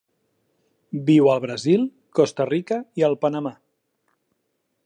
Viu al Brasil, Costa Rica i el Panamà.